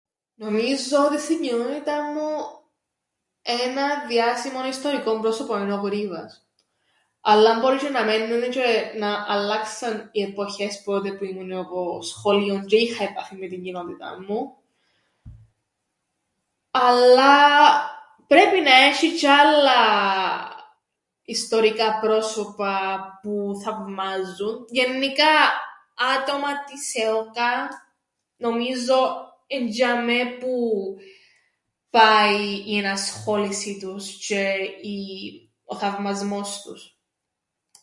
Νομίζω ότι στην κοινότηταν μου έναν διάσημον ιστορικόν πρόσωπον εν' ο Γρίβας, αλλά μπορεί τžαι να μεν ένε τžαι να αλλάξαν οι εποχές που τότε που ήμουν εγώ σχολείον τžαι είχα επαφήν με την κοινότηταν μου, αλλά πρέπει να έσ̆ει τž' άλλα ιστορικά πρόσωπα που θαυμάζουν, γεννικά άτομα της Ε.Ο.Κ.Α. νομίζω εν' τžειαμαί που πάει η ενασχόληση τους τžαι η- ο θαυμασμός τους.